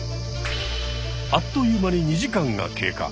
あっという間に２時間が経過。